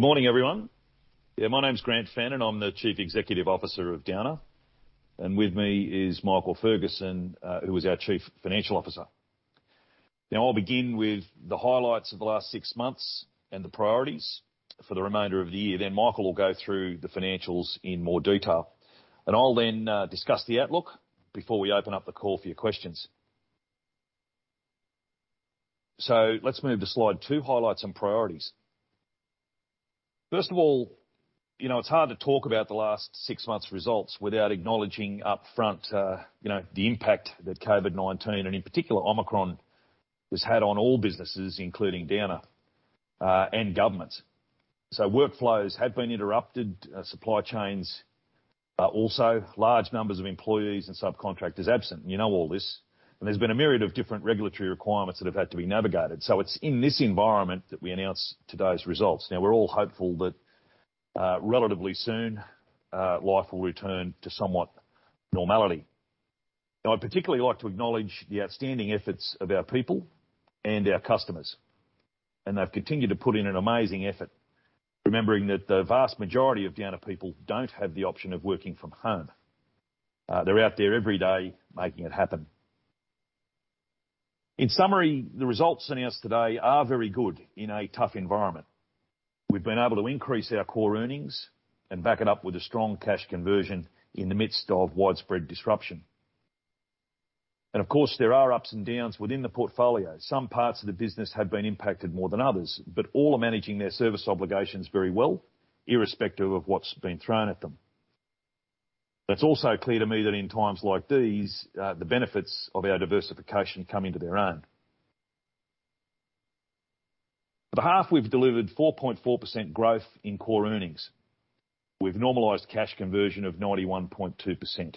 Good morning, everyone. Yeah, my name is Grant Fenn, I'm the Chief Executive Officer of Downer, and with me is Michael Ferguson, who is our Chief Financial Officer. Now, I'll begin with the highlights of the last six months and the priorities for the remainder of the year. Then Michael will go through the financials in more detail. I'll then discuss the outlook before we open up the call for your questions. Let's move to slide two, highlights and priorities. First of all, you know, it's hard to talk about the last six months results without acknowledging upfront, you know, the impact that COVID-19, and in particular Omicron, has had on all businesses, including Downer, and governments. Workflows have been interrupted, supply chains as well as large numbers of employees and subcontractors absent. You know all this. There's been a myriad of different regulatory requirements that have had to be navigated. It's in this environment that we announce today's results. Now, we're all hopeful that, relatively soon, life will return to somewhat normality. Now, I'd particularly like to acknowledge the outstanding efforts of our people and our customers, and they've continued to put in an amazing effort. Remembering that the vast majority of Downer people don't have the option of working from home. They're out there every day making it happen. In summary, the results announced today are very good in a tough environment. We've been able to increase our core earnings and back it up with a strong cash conversion in the midst of widespread disruption. Of course, there are ups and downs within the portfolio. Some parts of the business have been impacted more than others, but all are managing their service obligations very well, irrespective of what's been thrown at them. It's also clear to me that in times like these, the benefits of our diversification come into their own. For the half, we've delivered 4.4% growth in core earnings. We've normalized cash conversion of 91.2%.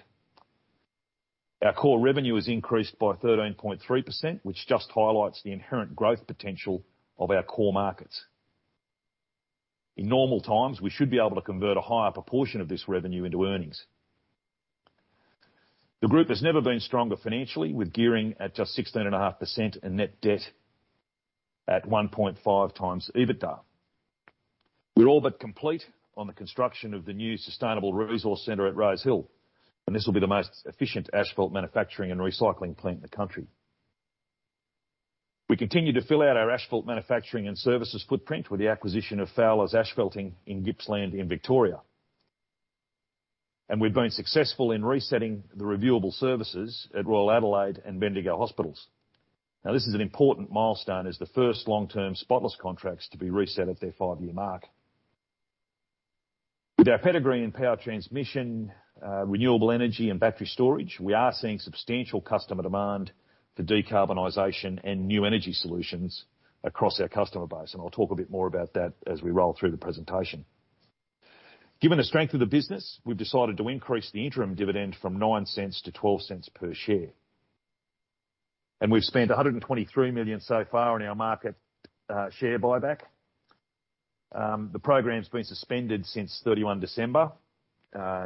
Our core revenue has increased by 13.3%, which just highlights the inherent growth potential of our core markets. In normal times, we should be able to convert a higher proportion of this revenue into earnings. The group has never been stronger financially, with gearing at just 16.5% and net debt at 1.5x EBITDA. We're all but complete on the construction of the new Rosehill Sustainable Road Resource Center, and this will be the most efficient asphalt manufacturing and recycling plant in the country. We continue to fill out our asphalt manufacturing and services footprint with the acquisition of Fowlers Asphalting in Gippsland in Victoria. We've been successful in resetting the reviewable services at Royal Adelaide and Bendigo Hospitals. Now, this is an important milestone as the first long-term Spotless contracts to be reset at their five-year mark. With our pedigree in power transmission, renewable energy and battery storage, we are seeing substantial customer demand for decarbonization and New Energy solutions across our customer base. I'll talk a bit more about that as we roll through the presentation. Given the strength of the business, we've decided to increase the interim dividend from 0.09-0.12 per share. We've spent 123 million so far on our market share buyback. The program's been suspended since 31 December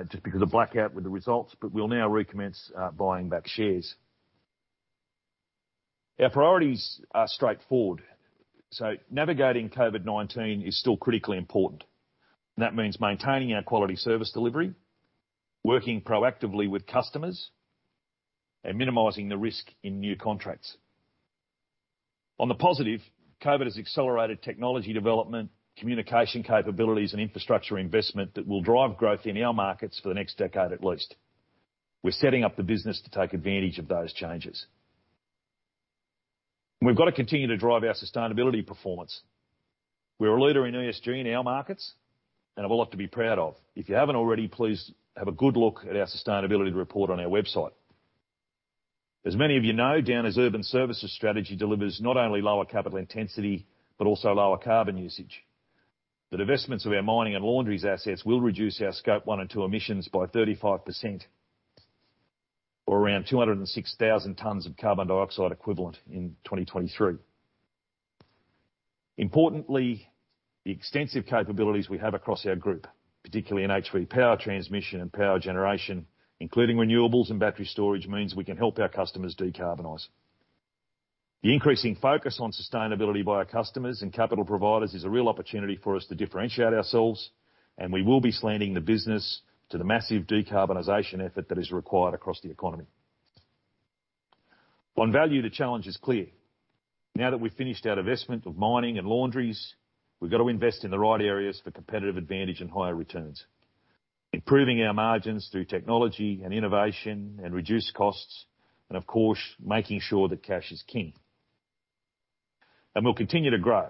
just because of blackout with the results, but we'll now recommence buying back shares. Our priorities are straightforward. Navigating COVID-19 is still critically important. That means maintaining our quality service delivery, working proactively with customers, and minimizing the risk in new contracts. On the positive, COVID has accelerated technology development, communication capabilities and infrastructure investment that will drive growth in our markets for the next decade at least. We're setting up the business to take advantage of those changes. We've got to continue to drive our sustainability performance. We are a leader in ESG in our markets and have a lot to be proud of. If you haven't already, please have a good look at our sustainability report on our website. As many of you know, Downer's urban services strategy delivers not only lower capital intensity, but also lower carbon usage. The divestments of our mining and laundries assets will reduce our Scope 1 and 2 emissions by 35% or around 206,000 tons of carbon dioxide equivalent in 2023. Importantly, the extensive capabilities we have across our group, particularly in HV power transmission and power generation, including renewables and battery storage, means we can help our customers decarbonize. The increasing focus on sustainability by our customers and capital providers is a real opportunity for us to differentiate ourselves, and we will be slanting the business to the massive decarbonization effort that is required across the economy. On value, the challenge is clear. Now that we've finished our divestment of mining and laundries, we've got to invest in the right areas for competitive advantage and higher returns, improving our margins through technology and innovation and reduced costs, and of course, making sure that cash is king. We'll continue to grow.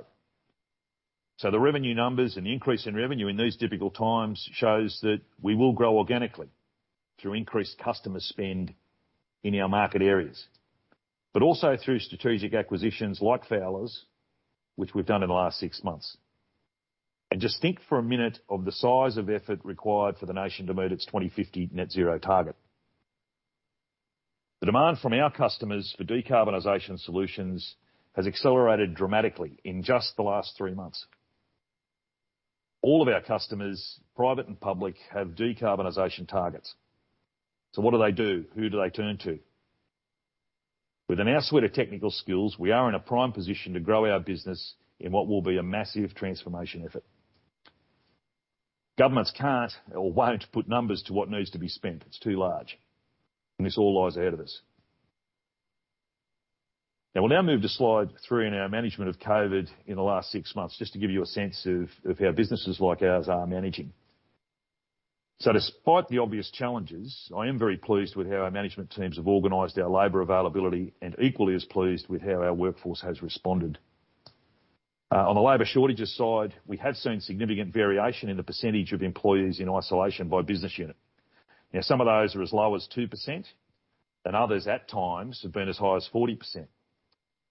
The revenue numbers and increase in revenue in these difficult times shows that we will grow organically through increased customer spend in our market areas. Also through strategic acquisitions like Fowlers, which we've done in the last six months. Just think for a minute of the size of effort required for the nation to meet its 2050 net zero target. The demand from our customers for decarbonization solutions has accelerated dramatically in just the last three months. All of our customers, private and public, have decarbonization targets. What do they do? Who do they turn to? Within our suite of technical skills, we are in a prime position to grow our business in what will be a massive transformation effort. Governments can't or won't put numbers to what needs to be spent. It's too large, and this all lies ahead of us. Now we'll move to slide three in our management of COVID in the last six months, just to give you a sense of how businesses like ours are managing. Despite the obvious challenges, I am very pleased with how our management teams have organized our labor availability and equally as pleased with how our workforce has responded. On the labor shortages side, we have seen significant variation in the percentage of employees in isolation by business unit. Now, some of those are as low as 2%, and others at times have been as high as 40%,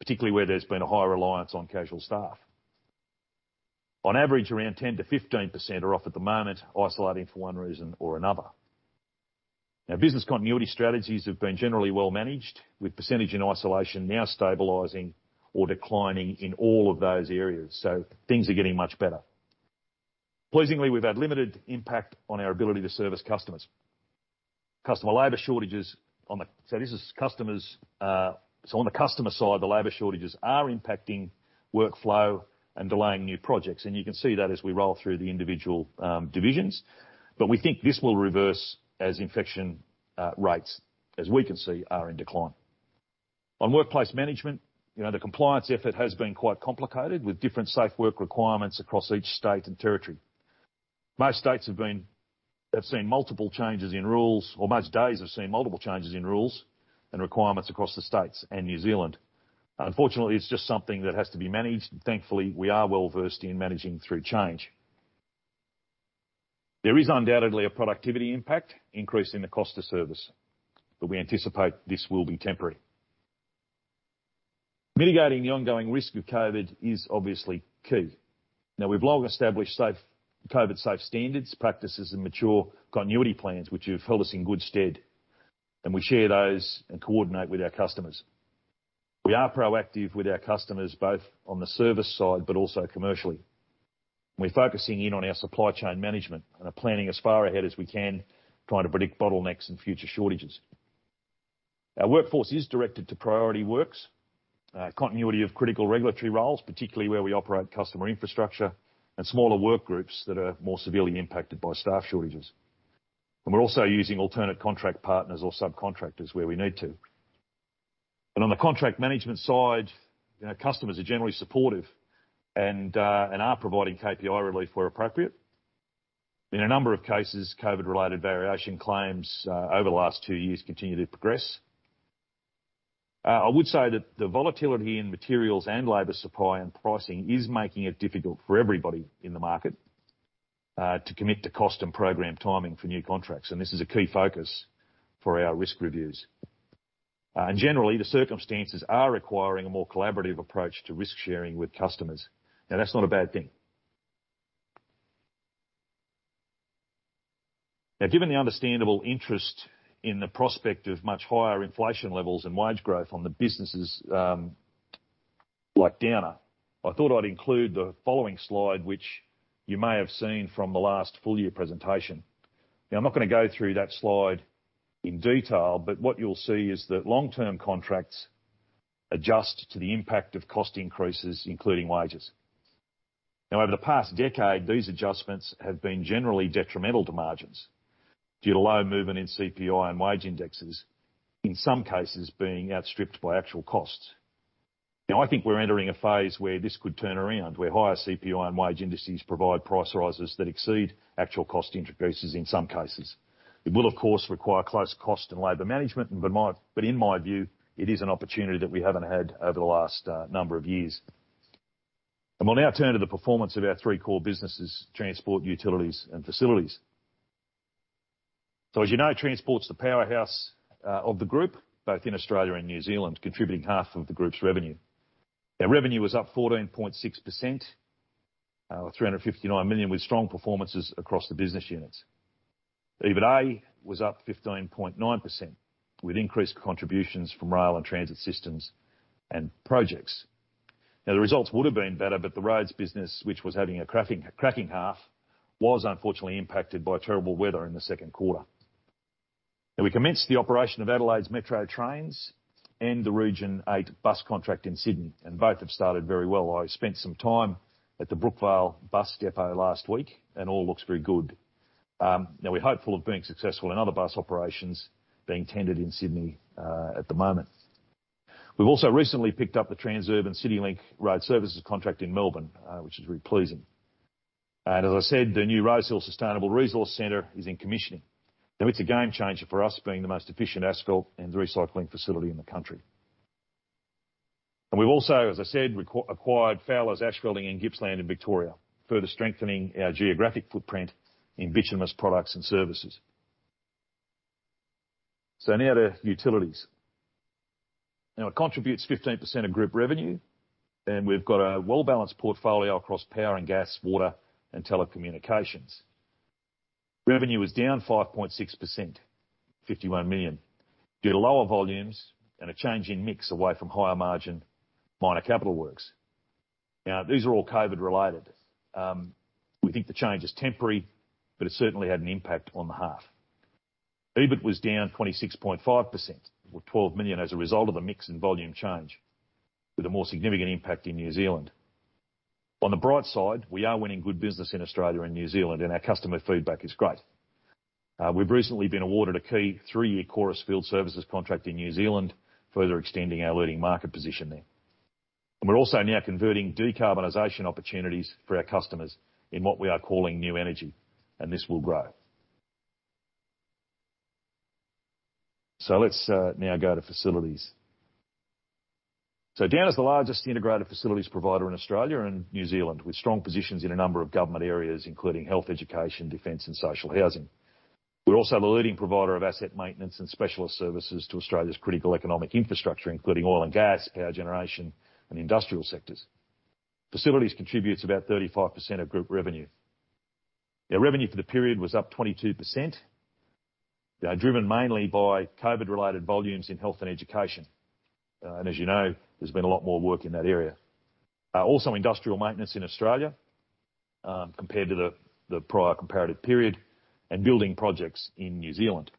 particularly where there's been a higher reliance on casual staff. On average, around 10%-15% are off at the moment, isolating for one reason or another. Now business continuity strategies have been generally well managed with percentage in isolation now stabilizing or declining in all of those areas, so things are getting much better. Pleasingly, we've had limited impact on our ability to service customers. This is customers. On the customer side, the labor shortages are impacting workflow and delaying new projects, and you can see that as we roll through the individual divisions. We think this will reverse as infection rates, as we can see, are in decline. On workplace management, you know, the compliance effort has been quite complicated with different safe work requirements across each state and territory. Most states have seen multiple changes in rules, or most days have seen multiple changes in rules and requirements across the states and New Zealand. Unfortunately, it's just something that has to be managed. Thankfully, we are well-versed in managing through change. There is undoubtedly a productivity impact, increasing the cost of service, but we anticipate this will be temporary. Mitigating the ongoing risk of COVID is obviously key. Now we've long established safe, COVID-safe standards, practices and mature continuity plans which have held us in good stead, and we share those and coordinate with our customers. We are proactive with our customers, both on the service side, but also commercially. We're focusing in on our supply chain management and are planning as far ahead as we can, trying to predict bottlenecks and future shortages. Our workforce is directed to priority works, continuity of critical regulatory roles, particularly where we operate customer infrastructure and smaller work groups that are more severely impacted by staff shortages. We're also using alternate contract partners or subcontractors where we need to. On the contract management side, you know, customers are generally supportive and are providing KPI relief where appropriate. In a number of cases, COVID-related variation claims over the last two years continue to progress. I would say that the volatility in materials and labor supply and pricing is making it difficult for everybody in the market to commit to cost and program timing for new contracts, and this is a key focus for our risk reviews. Generally, the circumstances are requiring a more collaborative approach to risk sharing with customers. Now, that's not a bad thing. Now, given the understandable interest in the prospect of much higher inflation levels and wage growth on the businesses, like Downer, I thought I'd include the following slide, which you may have seen from the last full-year presentation. Now, I'm not gonna go through that slide in detail, but what you'll see is that long-term contracts adjust to the impact of cost increases, including wages. Now, over the past decade, these adjustments have been generally detrimental to margins due to low movement in CPI and wage indexes, in some cases being outstripped by actual costs. Now I think we're entering a phase where this could turn around, where higher CPI and wage indices provide price rises that exceed actual cost increases in some cases. It will, of course, require close cost and labor management, but in my view, it is an opportunity that we haven't had over the last number of years. We'll now turn to the performance of our three core businesses, transport, utilities, and facilities. As you know, transport's the powerhouse of the group, both in Australia and New Zealand, contributing half of the group's revenue. Revenue was up 14.6%, AUD 359 million, with strong performances across the business units. EBITDA was up 15.9%, with increased contributions from rail and transit systems and projects. The results would have been better, but the roads business, which was having a cracking half, was unfortunately impacted by terrible weather in the second quarter. Now, we commenced the operation of Adelaide's Metro trains and the Region 8 bus contract in Sydney, and both have started very well. I spent some time at the Brookvale bus depot last week and all looks very good. Now we're hopeful of being successful in other bus operations being tendered in Sydney at the moment. We've also recently picked up the Transurban CityLink Road Services contract in Melbourne, which is very pleasing. As I said, the new Rosehill Sustainable Road Resource Centre is in commissioning. Now it's a game changer for us being the most efficient asphalt and recycling facility in the country. We've also, as I said, acquired Fowlers Asphalting in Gippsland in Victoria, further strengthening our geographic footprint in bituminous products and services. Now to utilities. Now it contributes 15% of group revenue, and we've got a well-balanced portfolio across power and gas, water, and telecommunications. Revenue was down 5.6%, 51 million, due to lower volumes and a change in mix away from higher margin minor capital works. Now, these are all COVID-related. We think the change is temporary, but it certainly had an impact on the half. EBIT was down 26.5%, or 12 million, as a result of the mix and volume change, with a more significant impact in New Zealand. On the bright side, we are winning good business in Australia and New Zealand, and our customer feedback is great. We've recently been awarded a key three-year Chorus field services contract in New Zealand, further extending our leading market position there. We're also now converting decarbonization opportunities for our customers in what we are calling New Energy, and this will grow. Let's now go to Facilities. Downer is the largest integrated facilities provider in Australia and New Zealand, with strong positions in a number of government areas, including health, education, defense, and social housing. We're also the leading provider of asset maintenance and specialist services to Australia's critical economic infrastructure, including oil and gas, power generation, and industrial sectors. Facilities contributes about 35% of group revenue. Revenue for the period was up 22%, driven mainly by COVID related volumes in health and education. And as you know, there's been a lot more work in that area. Also industrial maintenance in Australia, compared to the prior comparative period, and building projects in New Zealand.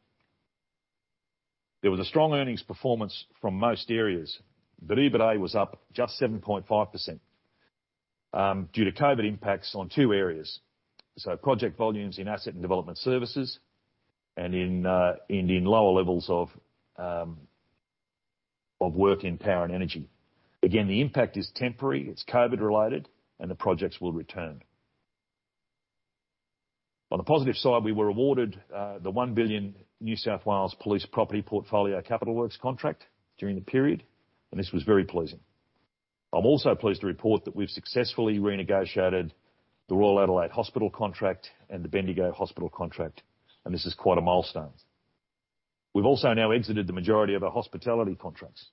There was a strong earnings performance from most areas, but EBITA was up just 7.5%, due to COVID impacts on two areas, project volumes in asset and development services and in lower levels of work in power and energy. Again, the impact is temporary, it's COVID related, and the projects will return. On a positive side, we were awarded the 1 billion New South Wales police property portfolio capital works contract during the period, and this was very pleasing. I'm also pleased to report that we've successfully renegotiated the Royal Adelaide Hospital contract and the Bendigo Hospital contract, and this is quite a milestone. We've also now exited the majority of our hospitality contracts.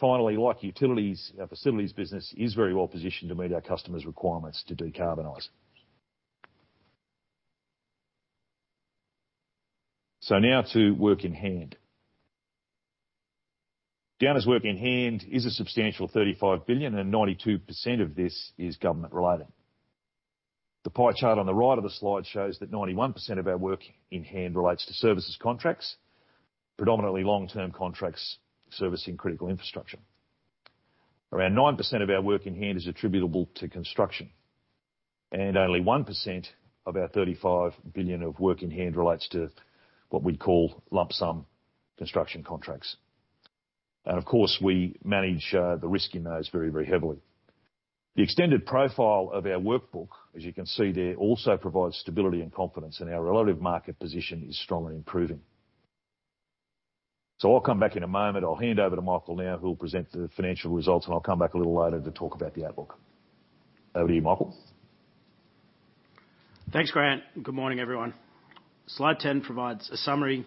Finally, like Utilities, our Facilities business is very well positioned to meet our customers' requirements to decarbonize. Now to work in hand. Downer's work in hand is a substantial 35 billion, and 92% of this is government related. The pie chart on the right of the slide shows that 91% of our work in hand relates to services contracts, predominantly long-term contracts servicing critical infrastructure. Around 9% of our work in hand is attributable to construction, and only 1% of our 35 billion of work in hand relates to what we'd call lump sum construction contracts. Of course, we manage the risk in those very, very heavily. The extended profile of our workbook, as you can see there, also provides stability and confidence, and our relative market position is strongly improving. I'll come back in a moment. I'll hand over to Michael now, who will present the financial results, and I'll come back a little later to talk about the outlook. Over to you, Michael. Thanks, Grant. Good morning, everyone. Slide 10 provides a summary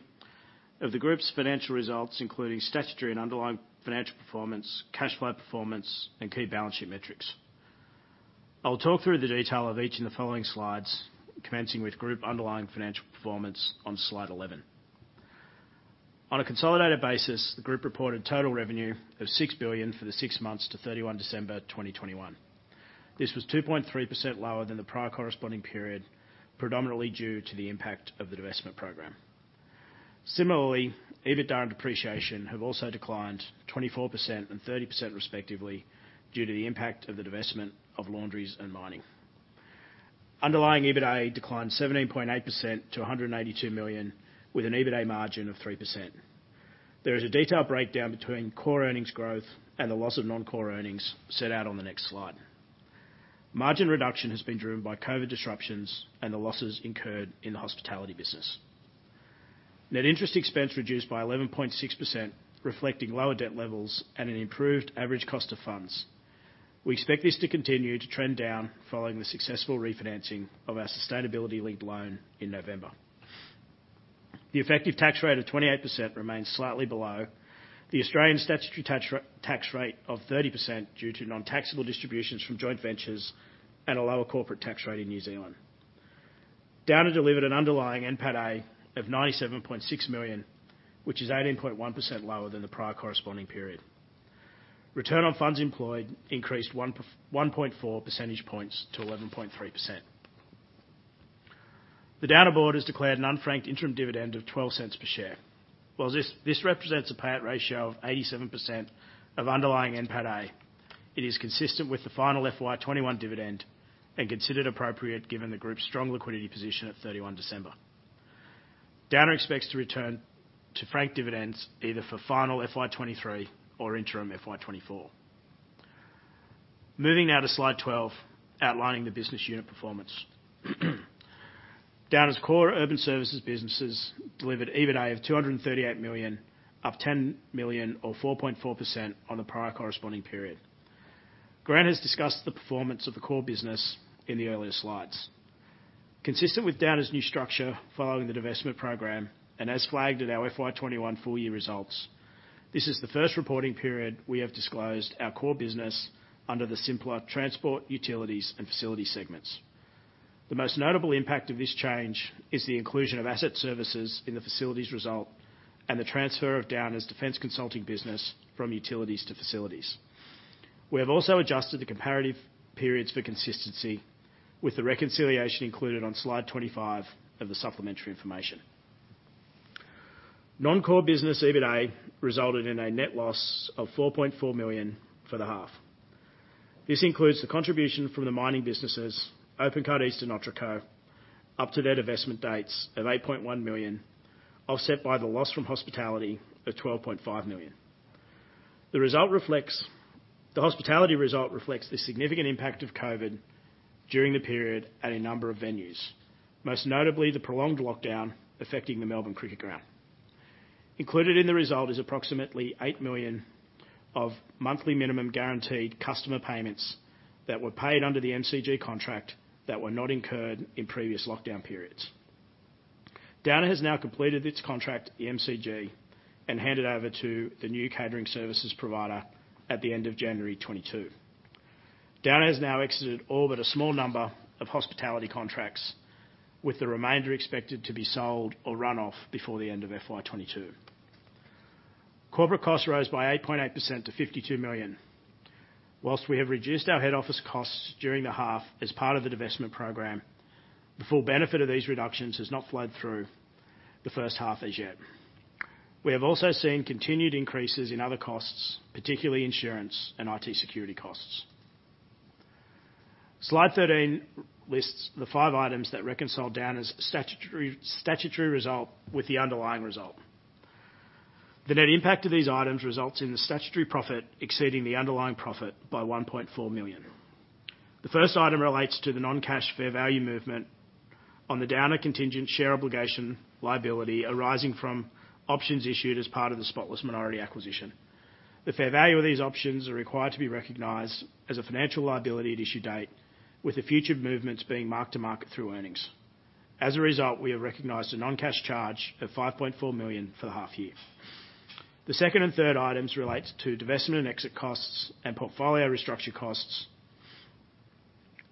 of the group's financial results, including statutory and underlying financial performance, cash flow performance, and key balance sheet metrics. I'll talk through the detail of each in the following slides, commencing with group underlying financial performance on slide 11. On a consolidated basis, the group reported total revenue of 6 billion for the six months to 31 December 2021. This was 2.3% lower than the prior corresponding period, predominantly due to the impact of the divestment program. Similarly, EBITDA and depreciation have also declined 24% and 30% respectively due to the impact of the divestment of laundries and mining. Underlying EBITA declined 17.8% to 182 million, with an EBITA margin of 3%. There is a detailed breakdown between core earnings growth and the loss of non-core earnings set out on the next slide. Margin reduction has been driven by COVID disruptions and the losses incurred in the hospitality business. Net interest expense reduced by 11.6%, reflecting lower debt levels and an improved average cost of funds. We expect this to continue to trend down following the successful refinancing of our sustainability linked loan in November. The effective tax rate of 28% remains slightly below the Australian statutory tax rate of 30% due to non-taxable distributions from joint ventures at a lower corporate tax rate in New Zealand. Downer delivered an underlying NPATA of 97.6 million, which is 18.1% lower than the prior corresponding period. Return on funds employed increased 1.4 percentage points to 11.3%. The Downer board has declared an unfranked interim dividend of 0.12 per share. While this represents a payout ratio of 87% of underlying NPATA, it is consistent with the final FY 2021 dividend and considered appropriate given the group's strong liquidity position at 31 December. Downer expects to return to frank dividends either for final FY 2023 or interim FY 2024. Moving now to slide 12, outlining the business unit performance. Downer's core urban services businesses delivered EBITA of 238 million, up 10 million or 4.4% on the prior corresponding period. Grant has discussed the performance of the core business in the earlier slides. Consistent with Downer's new structure following the divestment program, and as flagged at our FY 2021 full year results, this is the first reporting period we have disclosed our core business under the simpler transport, utilities, and facilities segments. The most notable impact of this change is the inclusion of asset services in the facilities result and the transfer of Downer's defense consulting business from utilities to facilities. We have also adjusted the comparative periods for consistency with the reconciliation included on slide 25 of the supplementary information. Non-core business EBITA resulted in a net loss of 4.4 million for the half. This includes the contribution from the mining businesses, Open Cut Mining East and Otraco, up to their divestment dates of 8.1 million, offset by the loss from hospitality of 12.5 million. The result reflects... The hospitality result reflects the significant impact of COVID during the period at a number of venues, most notably the prolonged lockdown affecting the Melbourne Cricket Ground. Included in the result is approximately 8 million of monthly minimum guaranteed customer payments that were paid under the MCG contract that were not incurred in previous lockdown periods. Downer has now completed its contract at the MCG and hands it over to the new catering services provider at the end of January 2022. Downer has now exited all but a small number of hospitality contracts, with the remainder expected to be sold or run off before the end of FY 2022. Corporate costs rose by 8.8% to 52 million. While we have reduced our head office costs during the half as part of the divestment program, the full benefit of these reductions has not flowed through the first half as yet. We have also seen continued increases in other costs, particularly insurance and IT security costs. Slide 13 lists the five items that reconcile Downer's statutory result with the underlying result. The net impact of these items results in the statutory profit exceeding the underlying profit by 1.4 million. The first item relates to the non-cash fair value movement on the Downer Contingent Share Options liability arising from options issued as part of the Spotless minority acquisition. The fair value of these options are required to be recognized as a financial liability at issue date, with the future movements being mark-to-market through earnings. As a result, we have recognized a non-cash charge of 5.4 million for the half year. The second and third items relates to divestment and exit costs and portfolio restructure costs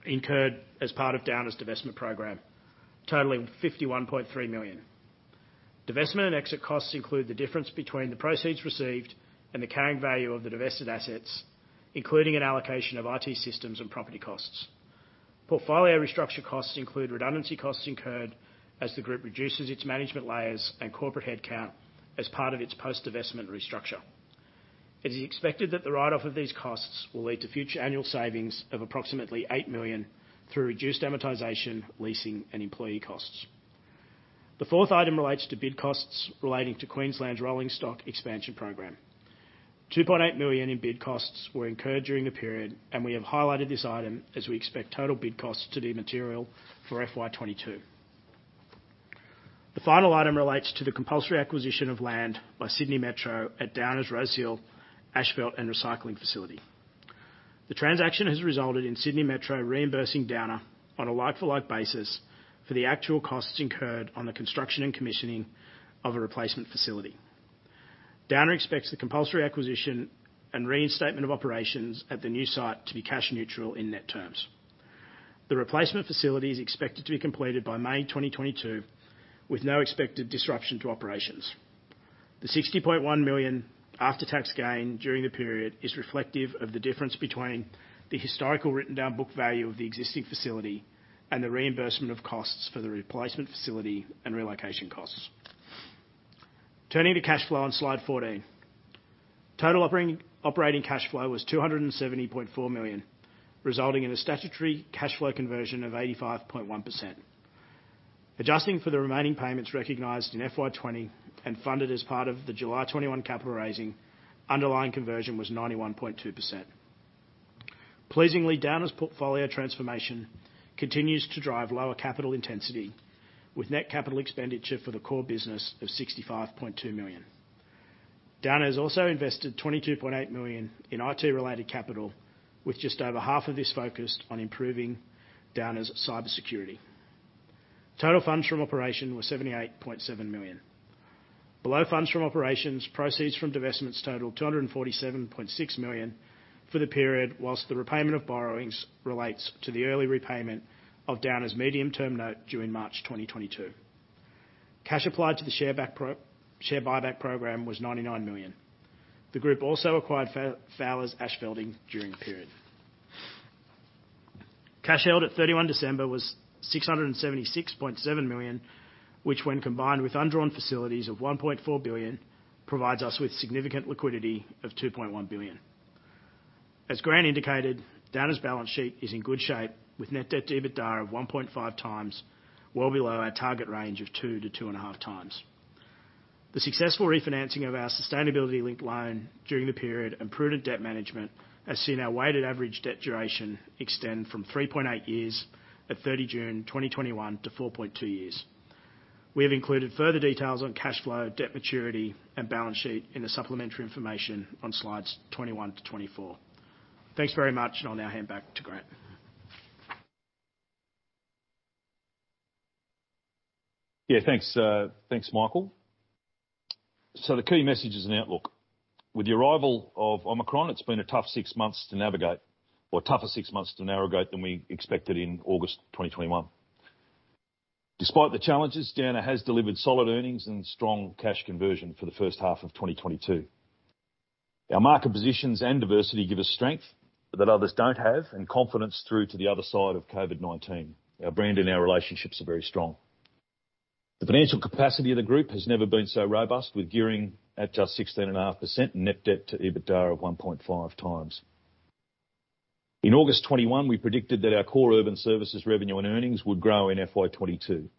incurred as part of Downer's divestment program, totaling 51.3 million. Divestment and exit costs include the difference between the proceeds received and the carrying value of the divested assets, including an allocation of IT systems and property costs. Portfolio restructure costs include redundancy costs incurred as the group reduces its management layers and corporate headcount as part of its post-divestment restructure. It is expected that the write-off of these costs will lead to future annual savings of approximately 8 million through reduced amortization, leasing, and employee costs. The fourth item relates to bid costs relating to Queensland's Rollingstock Expansion Program. 2.8 million in bid costs were incurred during the period, and we have highlighted this item as we expect total bid costs to be material for FY 2022. The final item relates to the compulsory acquisition of land by Sydney Metro at Downer's Rosehill Asphalt and Recycling Facility. The transaction has resulted in Sydney Metro reimbursing Downer on a like-for-like basis for the actual costs incurred on the construction and commissioning of a replacement facility. Downer expects the compulsory acquisition and reinstatement of operations at the new site to be cash neutral in net terms. The replacement facility is expected to be completed by May 2022, with no expected disruption to operations. The 60.1 million after-tax gain during the period is reflective of the difference between the historical written down book value of the existing facility and the reimbursement of costs for the replacement facility and relocation costs. Turning to cash flow on slide 14. Total operating cash flow was 270.4 million, resulting in a statutory cash flow conversion of 85.1%. Adjusting for the remaining payments recognized in FY 2020 and funded as part of the July 2021 capital raising, underlying conversion was 91.2%. Pleasingly, Downer's portfolio transformation continues to drive lower capital intensity with net capital expenditure for the core business of 65.2 million. Downer has also invested 22.8 million in IT-related capital, with just over half of this focused on improving Downer's cybersecurity. Total funds from operation were 78.7 million. Below funds from operations, proceeds from divestments totaled 247.6 million for the period, whilst the repayment of borrowings relates to the early repayment of Downer's Medium Term Note due in March 2022. Cash applied to the share buyback program was 99 million. The group also acquired Fowlers Asphalting during the period. Cash held at 31 December was 676.7 million, which when combined with undrawn facilities of 1.4 billion, provides us with significant liquidity of 2.1 billion. As Grant indicated, Downer's balance sheet is in good shape with net debt to EBITDA of 1.5x, well below our target range of 2x-2.5x. The successful refinancing of our sustainability-linked loan during the period and prudent debt management has seen our weighted average debt duration extend from 3.8 years at 30 June 2021 to 4.2 years. We have included further details on cash flow, debt maturity, and balance sheet in the supplementary information on slides 21-24. Thanks very much, and I'll now hand back to Grant. Yeah, thanks Michael. The key message is in outlook. With the arrival of Omicron, it's been a tough six months to navigate, or tougher six months to navigate than we expected in August 2021. Despite the challenges, Downer has delivered solid earnings and strong cash conversion for the first half of 2022. Our market positions and diversity give us strength that others don't have and confidence through to the other side of COVID-19. Our brand and our relationships are very strong. The financial capacity of the group has never been so robust, with gearing at just 16.5% and net debt to EBITDA of 1.5x. In August 2021, we predicted that our core urban services revenue and earnings would grow in FY 2022.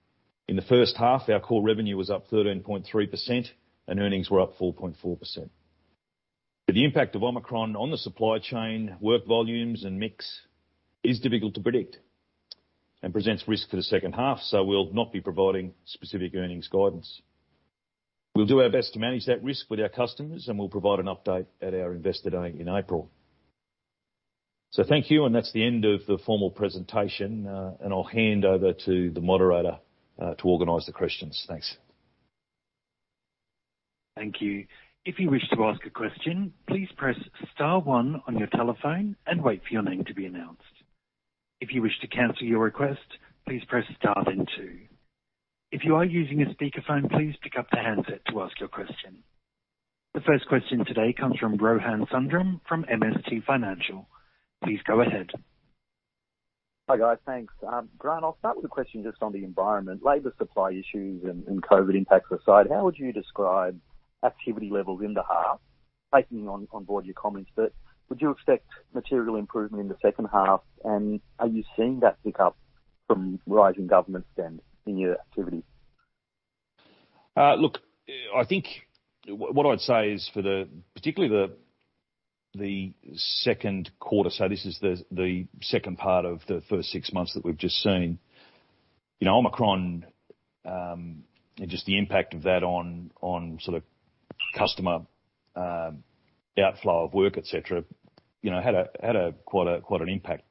In the first half, our core revenue was up 13.3% and earnings were up 4.4%. The impact of Omicron on the supply chain, work volumes, and mix is difficult to predict and presents risk for the second half, so we'll not be providing specific earnings guidance. We'll do our best to manage that risk with our customers, and we'll provide an update at our Investor Day in April. Thank you, and that's the end of the formal presentation, and I'll hand over to the moderator, to organize the questions. Thanks. Thank you. If you wish to ask a question, please press star one on your telephone and wait for your name to be announced. If you wish to cancel your request, please press star then two. If you are using a speakerphone, please pick up the handset to ask your question. The first question today comes from Rohan Sundram from MST Financial. Please go ahead. Hi, guys. Thanks. Grant, I'll start with a question just on the environment. Labor supply issues and COVID impacts aside, how would you describe activity levels in the half? Taking on board your comments, but would you expect material improvement in the second half, and are you seeing that pick up from rising government spend in your activity? Look, I think what I'd say is for the particularly the second quarter, so this is the second part of the first six months that we've just seen. You know, Omicron and just the impact of that on sort of customer outflow of work, et cetera, you know, had quite an impact.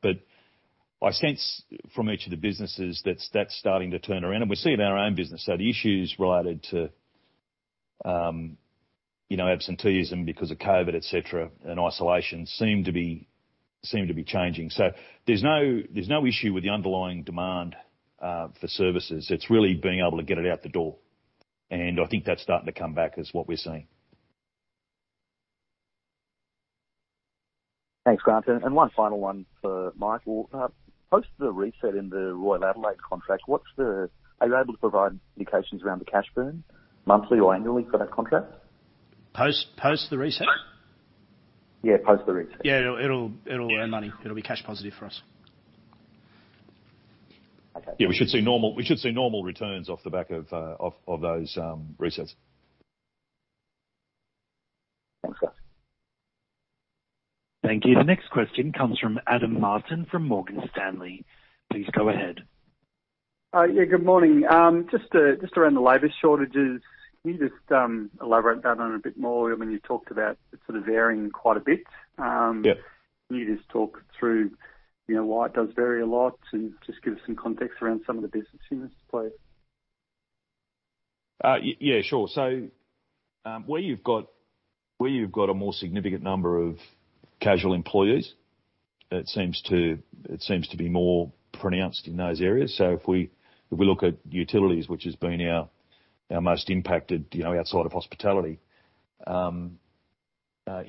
I sense from each of the businesses that's starting to turn around, and we see it in our own business. The issues related to you know, absenteeism because of COVID, et cetera, and isolation seem to be changing. There's no issue with the underlying demand for services. It's really being able to get it out the door, and I think that's starting to come back is what we're seeing. Thanks, Grant. One final one for Michael. Post the reset in the Royal Adelaide contract, are you able to provide indications around the cash burn monthly or annually for that contract? Post the reset? Yeah, post the reset. Yeah. It'll earn money. It'll be cash positive for us. Okay. Yeah, we should see normal returns off the back of those resets. Thanks, guys. Thank you. The next question comes from Adam Martin from Morgan Stanley. Please go ahead. Yeah, good morning. Just around the labor shortages, can you just elaborate on that a bit more? I mean, you talked about it sort of varying quite a bit. Yeah. Can you just talk through, you know, why it does vary a lot and just give us some context around some of the business units in play? Yeah, sure. Where you've got a more significant number of casual employees, it seems to be more pronounced in those areas. If we look at utilities, which has been our most impacted, you know, outside of hospitality, in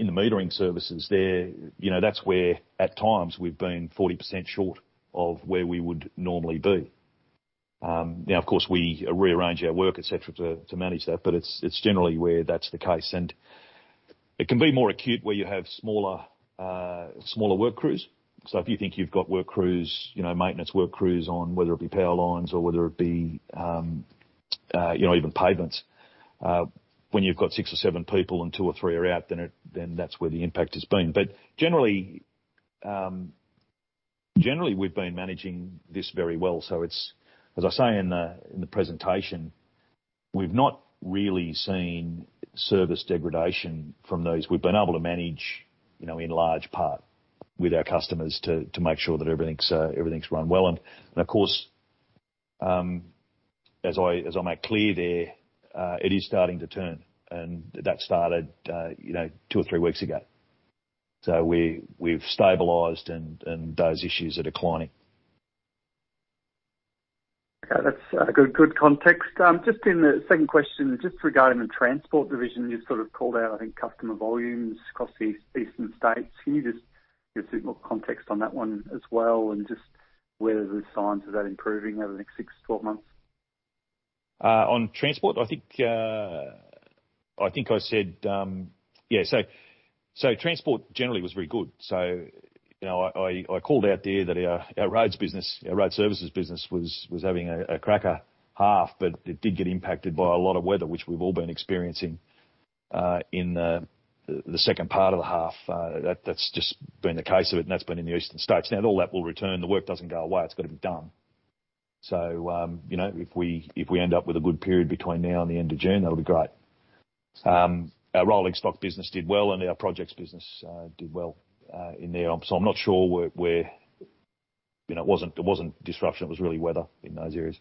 the metering services there, you know, that's where at times we've been 40% short of where we would normally be. Now of course, we rearrange our work, et cetera, to manage that, but it's generally where that's the case. It can be more acute where you have smaller work crews. If you think you've got work crews, you know, maintenance work crews on whether it be power lines or whether it be, you know, even pavements, when you've got six or seven people and two or three are out, then that's where the impact has been. But generally, we've been managing this very well. It's, as I say in the presentation, we've not really seen service degradation from those. We've been able to manage, you know, in large part with our customers to make sure that everything's run well. Of course, as I make clear there, it is starting to turn, and that started, you know, two or three weeks ago. We've stabilized and those issues are declining. Okay. That's good context. Just in the second question, just regarding the transport division, you sort of called out, I think, customer volumes across the east, eastern states. Can you just give us a bit more context on that one as well and just whether there's signs of that improving over the next six-12 months? On transport, I think I said transport generally was very good. You know, I called out there that our roads business, our road services business was having a cracker half, but it did get impacted by a lot of weather which we've all been experiencing in the second part of the half. That's just been the case of it, and that's been in the eastern states. Now all that will return. The work doesn't go away. It's gotta be done. You know, if we end up with a good period between now and the end of June, that'll be great. Our rolling stock business did well and our projects business did well in there. I'm not sure where. You know, it wasn't disruption, it was really weather in those areas.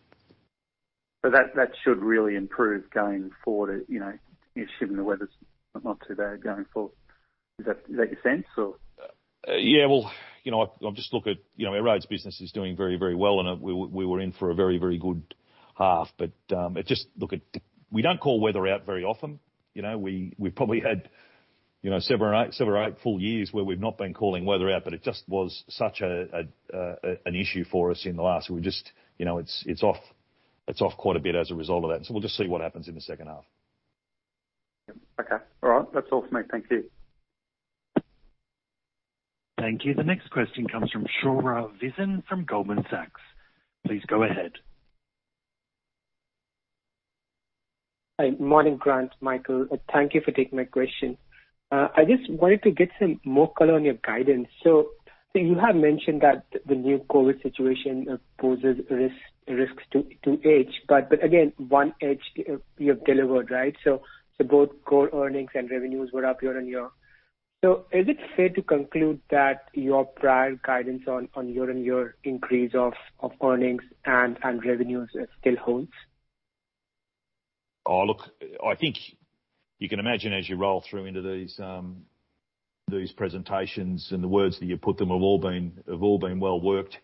That should really improve going forward, you know, assuming the weather's not too bad going forward. Is that your sense or? Yeah, well, you know, I just look at, you know, our roads business is doing very well, and we were in for a very good half. We don't call weather out very often. You know, we've probably had seven or eight full years where we've not been calling weather out, but it just was such an issue for us in the last. We just, you know, it's off quite a bit as a result of that. We'll just see what happens in the second half. Yep, okay. All right. That's all for me. Thank you. Thank you. The next question comes from Shaurya Visen from Goldman Sachs. Please go ahead. Hi. Morning, Grant Fenn, Michael Ferguson. Thank you for taking my question. I just wanted to get some more color on your guidance. You have mentioned that the new COVID situation poses risks to 2H, but again, 1H you have delivered, right? Both core earnings and revenues were up year on year. Is it fair to conclude that your prior guidance on year on year increase of earnings and revenues still holds? Oh, look, I think you can imagine as you roll through into these presentations and the words that you put them have all been well worked.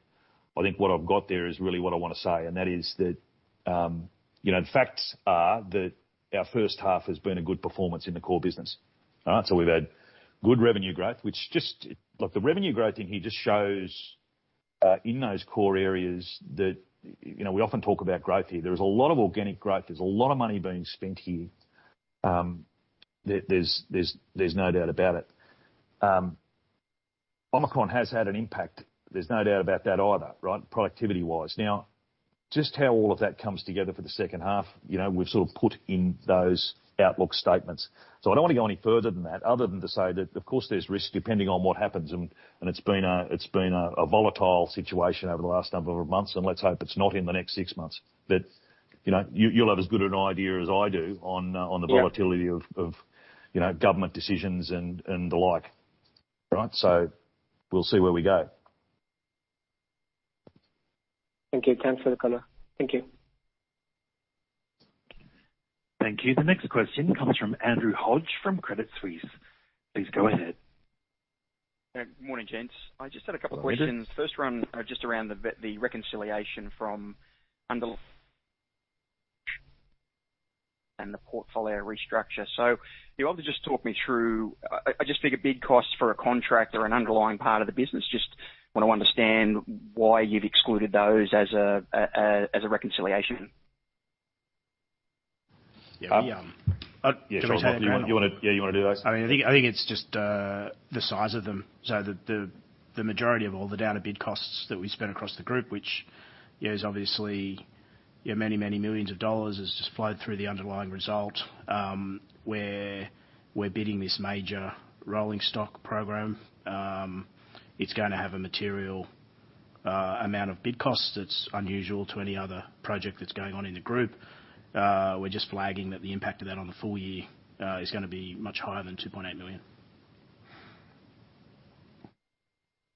I think what I've got there is really what I wanna say, and that is that, you know, the facts are that our first half has been a good performance in the core business. All right. We've had good revenue growth. Look, the revenue growth in here just shows in those core areas that, you know, we often talk about growth here. There is a lot of organic growth. There's a lot of money being spent here. There's no doubt about it. Omicron has had an impact, there's no doubt about that either, right, productivity-wise. Now, just how all of that comes together for the second half, you know, we've sort of put in those outlook statements. I don't wanna go any further than that other than to say that of course there's risk depending on what happens and it's been a volatile situation over the last number of months, and let's hope it's not in the next six months. You know, you'll have as good an idea as I do on the. Yeah. Volatility of you know government decisions and the like. All right. We'll see where we go. Thank you. Thanks for the color. Thank you. Thank you. The next question comes from Andrew Hodge from Credit Suisse. Please go ahead. Yeah. Morning, gents. I just had a couple questions. Morning. First one, just around the reconciliation from underlying and the portfolio restructure. Would you just talk me through. I just think a big cost for a contract or an underlying part of the business, just wanna understand why you've excluded those as a reconciliation. Yeah. Yeah, sure. Can I take that, Michael? Yeah, you wanna do those? I mean, I think it's just the size of them. The majority of all the Downer bid costs that we spent across the group, which is obviously, you know, many millions of AUD, has just flowed through the underlying result, where we're bidding this major rolling stock program. It's gonna have a material amount of bid costs that's unusual to any other project that's going on in the group. We're just flagging that the impact of that on the full year is gonna be much higher than 2.8 million.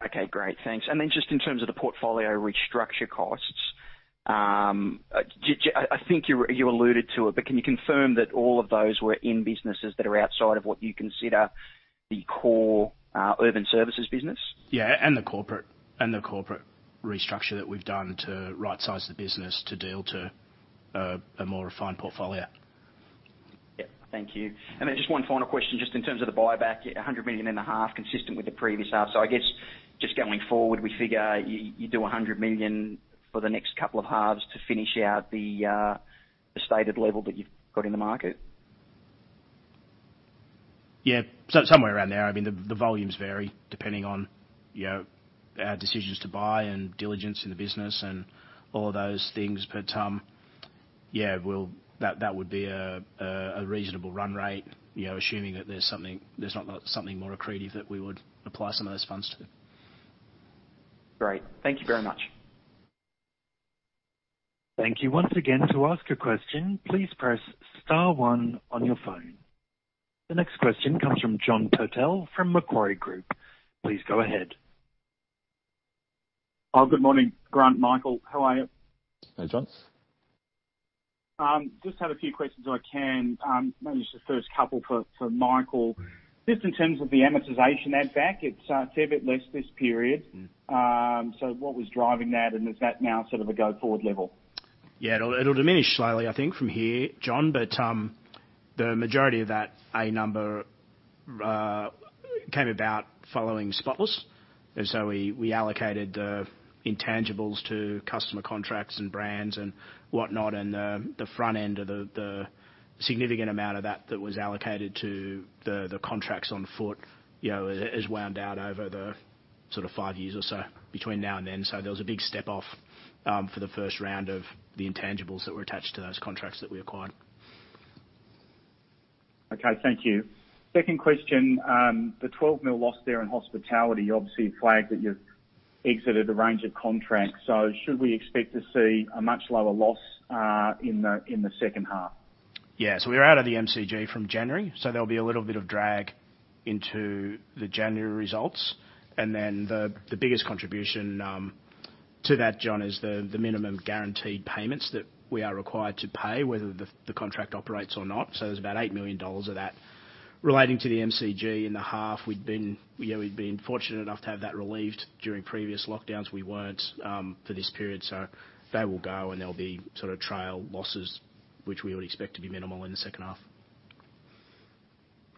Okay, great. Thanks. Then just in terms of the portfolio restructure costs, I think you alluded to it, but can you confirm that all of those were in businesses that are outside of what you consider the core urban services business? The corporate restructure that we've done to rightsize the business to deal to a more refined portfolio. Yep, thank you. Then just one final question, just in terms of the buyback, 150 million consistent with the previous half. I guess just going forward, we figure you do 100 million for the next couple of halves to finish out the stated level that you've got in the market? Yeah. Somewhere around there. I mean, the volumes vary depending on, you know, our decisions to buy and due diligence in the business and all of those things. That would be a reasonable run rate, you know, assuming that there's not something more accretive that we would apply some of those funds to. Great. Thank you very much. Thank you once again. The next question comes from John Purtell from Macquarie Group. Please go ahead. Oh, good morning, Grant, Michael. How are you? Hey, Johns. Just have a few questions if I can. Maybe just the first couple for Michael. Mm-hmm. Just in terms of the amortization add back, it's a bit less this period. Mm-hmm. What was driving that, and is that now sort of a go-forward level? Yeah, it'll diminish slowly, I think, from here, John, but the majority of that a number came about following Spotless. We allocated the intangibles to customer contracts and brands and whatnot, and the front end of the significant amount of that was allocated to the contracts on foot, you know, has wound down over the sort of five years or so between now and then. There was a big step-off for the first round of the intangibles that were attached to those contracts that we acquired. Okay, thank you. Second question, the 12 million loss there in hospitality, obviously you flagged that you exited a range of contracts. Should we expect to see a much lower loss in the second half? Yeah. We're out of the MCG from January, so there'll be a little bit of drag into the January results. The biggest contribution to that, John, is the minimum guaranteed payments that we are required to pay, whether the contract operates or not. There's about 8 million dollars of that relating to the MCG in the half. We'd been, you know, fortunate enough to have that relieved during previous lockdowns. We weren't for this period, so they will go and they'll be sort of trail losses which we would expect to be minimal in the second half.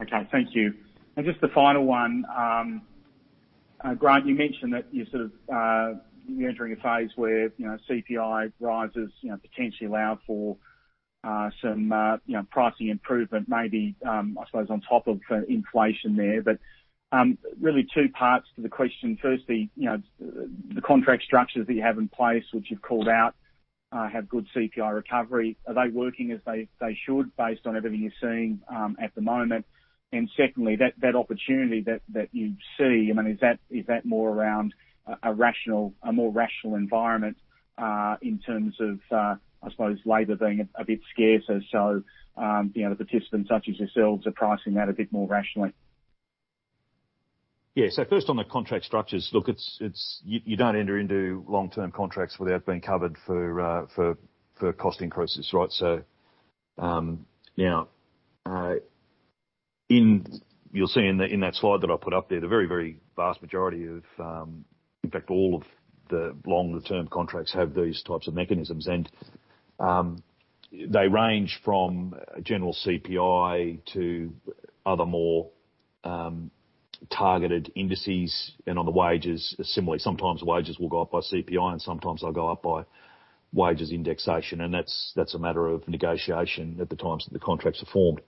Okay. Thank you. Just a final one. Grant, you mentioned that you're entering a phase where, you know, CPI rises, you know, potentially allow for some you know, pricing improvement maybe, I suppose on top of the inflation there. Really two parts to the question. Firstly, you know, the contract structures that you have in place which you've called out have good CPI recovery. Are they working as they should based on everything you're seeing at the moment? Secondly, that opportunity that you see, I mean is that more around a rational, a more rational environment in terms of, I suppose labor being a bit scarcer so you know, the participants such as yourselves are pricing that a bit more rationally? Yeah. First on the contract structures. Look, you don't enter into long-term contracts without being covered for cost increases, right? You'll see in that slide that I put up there, the very vast majority of, in fact all of the longer term contracts have these types of mechanisms and they range from general CPI to other more targeted indices. On the wages, similarly, sometimes wages will go up by CPI and sometimes they'll go up by wages indexation and that's a matter of negotiation at the times that the contracts are formed.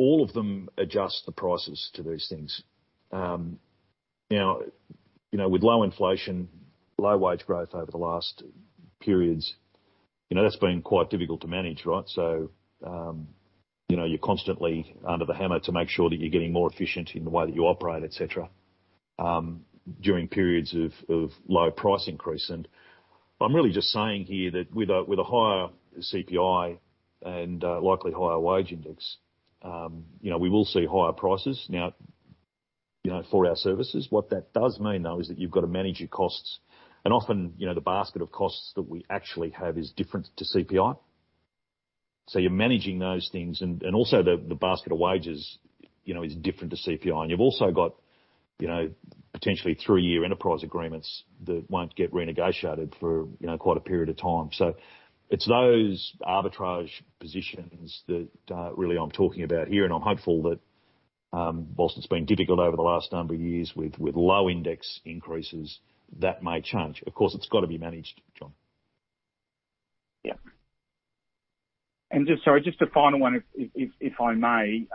All of them adjust the prices to these things. You know, with low inflation, low wage growth over the last periods, you know, that's been quite difficult to manage, right? You're constantly under the hammer to make sure that you're getting more efficient in the way that you operate, et cetera, during periods of low price increase. I'm really just saying here that with a higher CPI and likely higher wage index, you know, we will see higher prices now, you know, for our services. What that does mean, though, is that you've got to manage your costs. Often, you know, the basket of costs that we actually have is different to CPI. You're managing those things. Also the basket of wages, you know, is different to CPI. You've also got, you know, potentially three-year enterprise agreements that won't get renegotiated for, you know, quite a period of time. It's those arbitrage positions that really I'm talking about here, and I'm hopeful that while it's been difficult over the last number of years with low index increases, that may change. Of course, it's got to be managed, John. Sorry, just a final one if I may.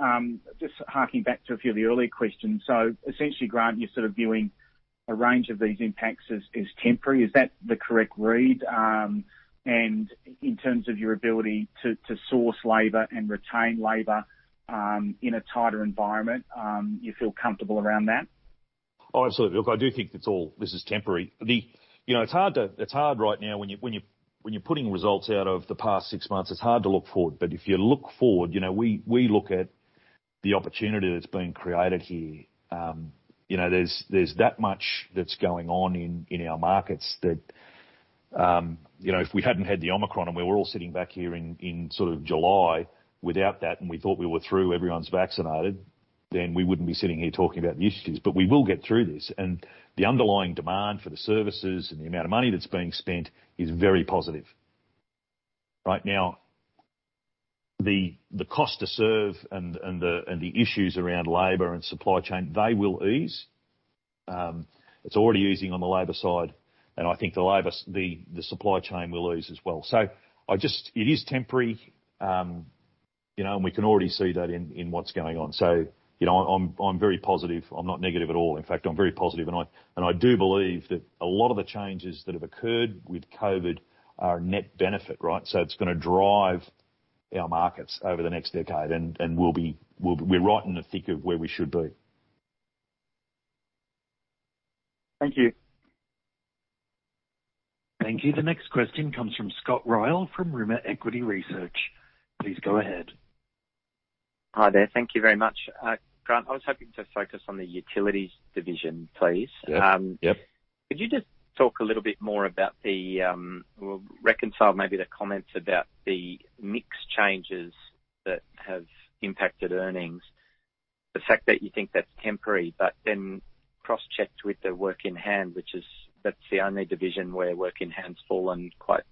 Just harking back to a few of the earlier questions. Essentially, Grant, you're sort of viewing a range of these impacts as temporary. Is that the correct read? In terms of your ability to source labor and retain labor in a tighter environment, you feel comfortable around that? Oh, absolutely. Look, I do think it's all this is temporary. You know, it's hard right now when you're putting results out of the past six months. It's hard to look forward. If you look forward, you know, we look at the opportunity that's been created here. You know, there's that much that's going on in our markets that you know, if we hadn't had the Omicron and we were all sitting back here in sort of July without that and we thought we were through, everyone's vaccinated, then we wouldn't be sitting here talking about the issues. We will get through this. The underlying demand for the services and the amount of money that's being spent is very positive. Right now, the cost to serve and the issues around labor and supply chain, they will ease. It's already easing on the labor side, and I think the labor, the supply chain will ease as well. It is temporary. You know, we can already see that in what's going on. You know, I'm very positive. I'm not negative at all. In fact, I'm very positive and I do believe that a lot of the changes that have occurred with COVID are a net benefit, right? It's gonna drive our markets over the next decade and we'll be, we're right in the thick of where we should be. Thank you. Thank you. The next question comes from Scott Ryall from Rimor Equity Research. Please go ahead. Hi there. Thank you very much. Grant, I was hoping to focus on the utilities division, please. Yeah. Yep. Could you just talk a little bit more about the well, reconcile maybe the comments about the mix changes that have impacted earnings. The fact that you think that's temporary, but then cross-checked with the work in hand, which is that's the only division where work in hand's fallen quite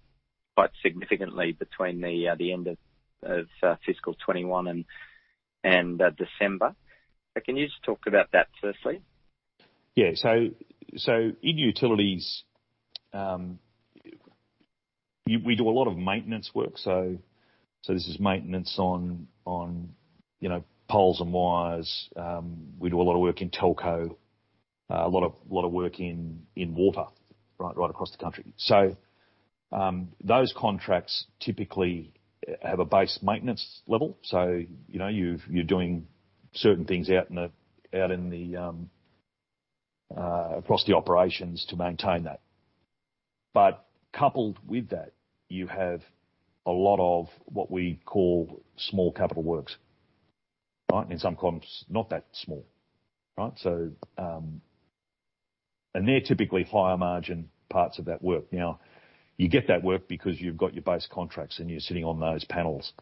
significantly between the end of fiscal 2021 and December. So can you just talk about that firstly? Yeah. In utilities, we do a lot of maintenance work. This is maintenance on, you know, poles and wires. We do a lot of work in telco. A lot of work in water, right across the country. Those contracts typically have a base maintenance level. You know, you're doing certain things out in the across the operations to maintain that. Coupled with that, you have a lot of what we call small capital works, right? In some comps, not that small, right? And they're typically higher margin parts of that work. Now, you get that work because you've got your base contracts, and you're sitting on those panels.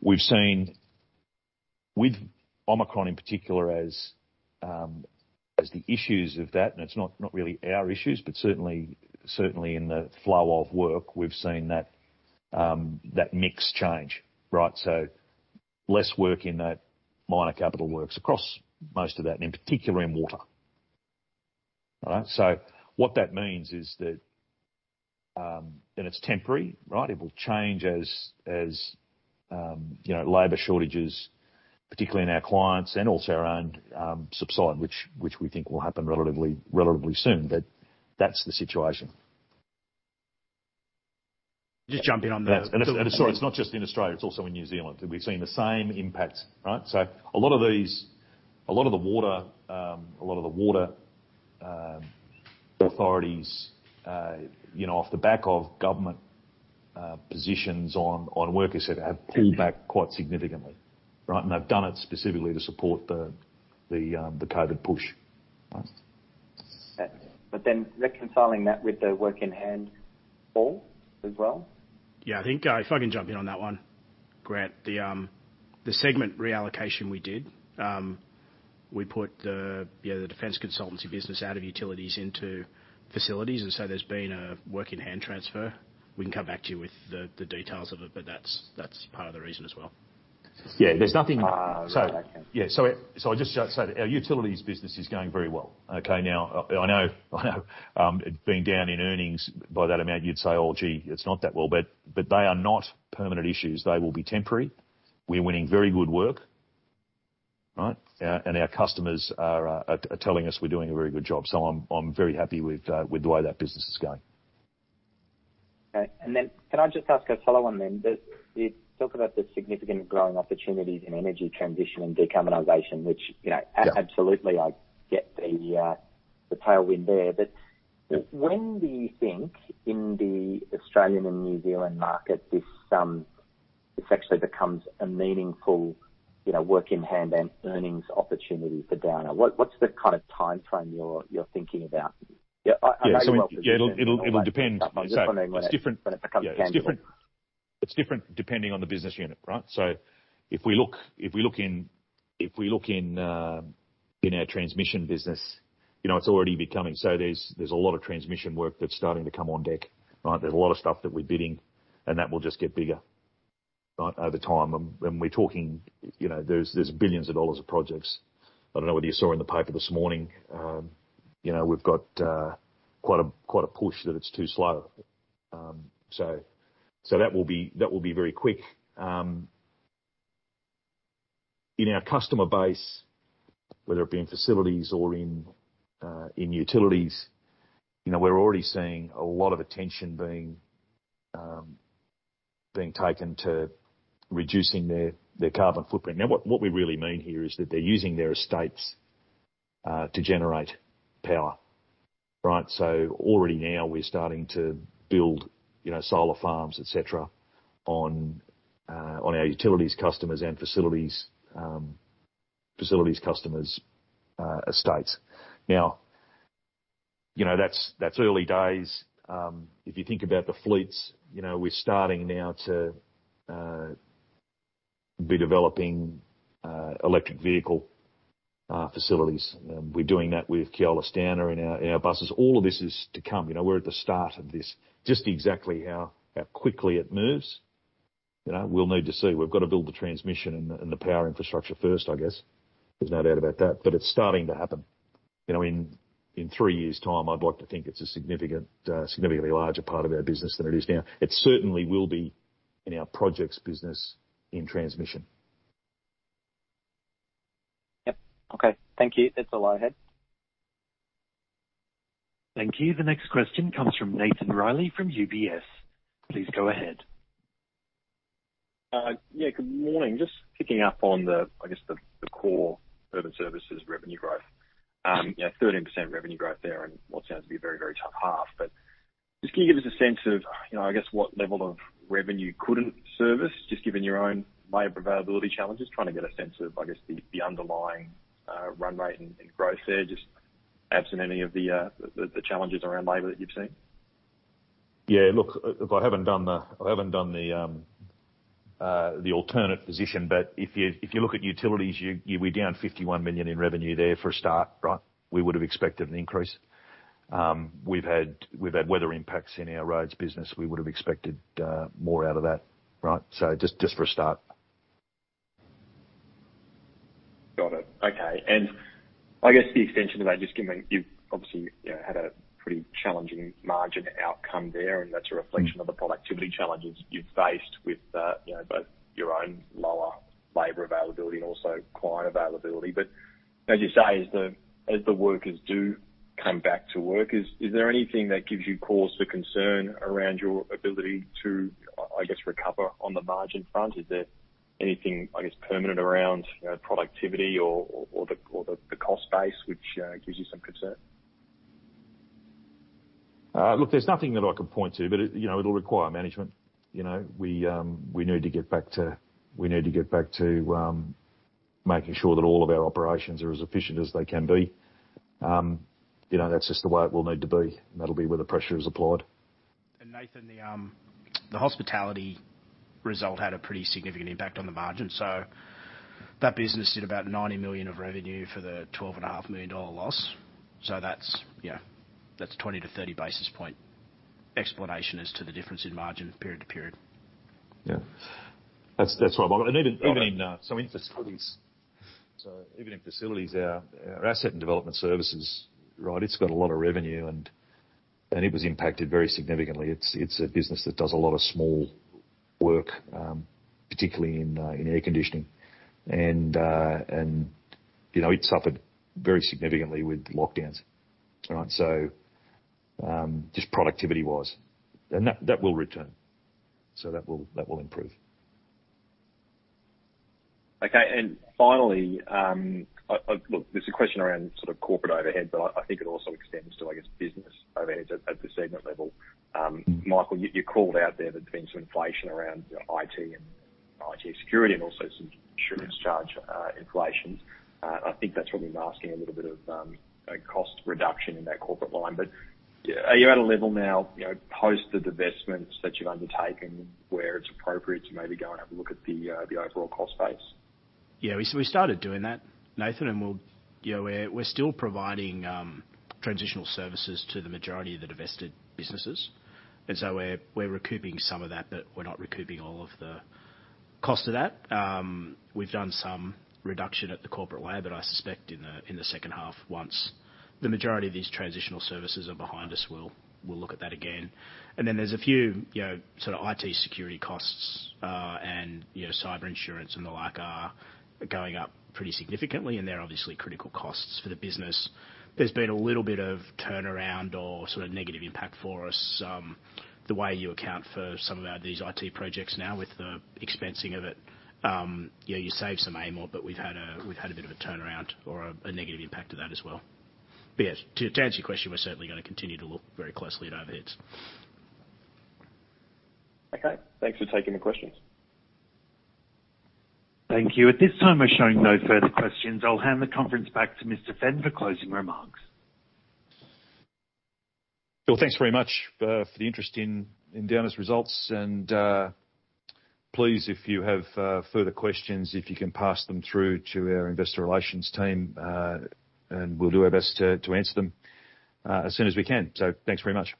We've seen with Omicron, in particular, as the issues of that, and it's not really our issues, but certainly in the flow of work, we've seen that mix change, right? Less work in that minor capital works across most of that, and in particular in water. All right? What that means is that, and it's temporary, right? It will change as you know, labor shortages, particularly in our clients and also our own, subside, which we think will happen relatively soon. That's the situation. Just jumping on the. It's not just in Australia, it's also in New Zealand. We've seen the same impacts, right? A lot of the water authorities, you know, off the back of government positions on workers have pulled back quite significantly, right? They've done it specifically to support the COVID push. Reconciling that with the work in hand fall as well? Yeah, I think if I can jump in on that one, Grant. The segment reallocation we did, we put the, you know, the defense consultancy business out of utilities into facilities, and so there's been a work in hand transfer. We can come back to you with the details of it, but that's part of the reason as well. Yeah, there's nothing. Right. I'll just say that our utilities business is going very well. I know it being down in earnings by that amount, you'd say, "Oh, gee, it's not that well," but they are not permanent issues. They will be temporary. We're winning very good work, right? Our customers are telling us we're doing a very good job. I'm very happy with the way that business is going. Okay. Can I just ask a follow on then? You talk about the significant growing opportunities in energy transition and decarbonization, which, you know. Yeah. Absolutely, I get the tailwind there. But when do you think in the Australian and New Zealand market, this actually becomes a meaningful, you know, work in hand and earnings opportunity for Downer? What’s the kind of timeframe you’re thinking about? Yeah, I know you. Yeah, it'll depend. It's different depending on the business unit, right? If we look in our transmission business, you know, it's already becoming. There's a lot of transmission work that's starting to come on deck, right? There's a lot of stuff that we're bidding and that will just get bigger over time. We're talking, you know, there's billions of dollars of projects. I don't know whether you saw in the paper this morning, you know, we've got quite a push that it's too slow. That will be very quick. In our customer base, whether it be in facilities or in utilities, you know, we're already seeing a lot of attention being taken to reducing their carbon footprint. Now, what we really mean here is that they're using their estates to generate power, right? Already now we're starting to build, you know, solar farms, et cetera, on our utilities customers and facilities customers' estates. Now, you know, that's early days. If you think about the fleets, you know, we're starting now to be developing electric vehicle facilities. We're doing that with Keolis Downer in our buses. All of this is to come. You know, we're at the start of this. Just exactly how quickly it moves, you know, we'll need to see. We've got to build the transmission and the power infrastructure first, I guess. There's no doubt about that. But it's starting to happen. You know, in three years' time, I'd like to think it's a significantly larger part of our business than it is now. It certainly will be in our projects business in transmission. Yep. Okay. Thank you. That's all I had. Thank you. The next question comes from Nathan Reilly from UBS. Please go ahead. Yeah, good morning. Just picking up on the, I guess, the core urban services revenue growth. Yeah, 13% revenue growth there and what sounds to be a very tough half. Just can you give us a sense of, you know, I guess, what level of revenue you couldn't service, just given your own labor availability challenges? Trying to get a sense of, I guess, the underlying run rate and growth there, just absent any of the challenges around labor that you've seen. Yeah, look, I haven't done the alternate position, but if you look at utilities, we're down 51 million in revenue there for a start, right? We would have expected an increase. We've had weather impacts in our roads business. We would have expected more out of that, right? So just for a start. Got it. Okay. I guess the extension of that, just given you've. You know, had a pretty challenging margin outcome there, and that's a reflection of the productivity challenges you've faced with, you know, both your own lower labor availability and also client availability. As you say, as the workers do come back to work, is there anything that gives you cause for concern around your ability to, I guess, recover on the margin front? Is there anything, I guess, permanent around, you know, productivity or the cost base, which gives you some concern? Look, there's nothing that I can point to, but it, you know, it'll require management. You know, we need to get back to making sure that all of our operations are as efficient as they can be. You know, that's just the way it will need to be, and that'll be where the pressure is applied. Nathan, the hospitality result had a pretty significant impact on the margin. That business did about 90 million of revenue for the 12.5 million dollar loss. That's 20-30 basis points explanation as to the difference in margin period to period. Yeah. That's right. Even in Facilities, our asset and development services, right? It's got a lot of revenue and it was impacted very significantly. It's a business that does a lot of small work, particularly in air conditioning and you know, it suffered very significantly with lockdowns, right, just productivity-wise. That will return. That will improve. Okay. Finally, look, this is a question around sort of corporate overheads, but I think it also extends to, I guess, business overheads at the segment level. Mm-hmm. Michael, you called out there that there's been some inflation around, you know, IT and IT security and also some insurance charge inflations. I think that's probably masking a little bit of, you know, cost reduction in that corporate line. Are you at a level now, you know, post the divestments that you've undertaken where it's appropriate to maybe go and have a look at the overall cost base? We started doing that, Nathan, and we'll. You know, we're still providing transitional services to the majority of the divested businesses, and so we're recouping some of that, but we're not recouping all of the cost of that. We've done some reduction at the corporate layer, but I suspect in the second half, once the majority of these transitional services are behind us, we'll look at that again. There's a few, you know, sort of IT security costs, and you know, cyber insurance and the like are going up pretty significantly, and they're obviously critical costs for the business. There's been a little bit of turnaround or sort of negative impact for us, the way you account for some of these IT projects now with the expensing of it. You know, you save some more, but we've had a bit of a turnaround or a negative impact to that as well. Yeah, to answer your question, we're certainly gonna continue to look very closely at overheads. Okay. Thanks for taking the questions. Thank you. At this time, we're showing no further questions. I'll hand the conference back to Mr. Fenn for closing remarks. Well, thanks very much for the interest in Downer's results and please, if you have further questions, if you can pass them through to our investor relations team, and we'll do our best to answer them as soon as we can. Thanks very much.